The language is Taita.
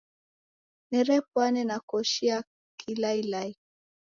Nerepwane na koshi ya kilailai.